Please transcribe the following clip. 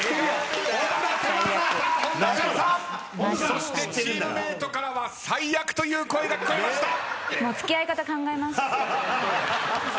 そしてチームメートからは「最悪」という声が聞こえました。